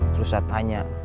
terus saya tanya